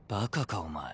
お前。